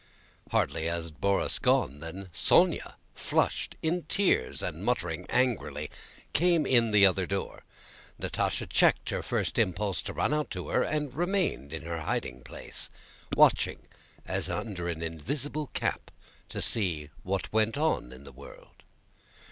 Hardly had Borís gone than Sónya, flushed, in tears, and muttering angrily, came in at the other door. Natásha checked her first impulse to run out to her, and remained in her hiding place, watching—as under an invisible cap—to see what went on in the world.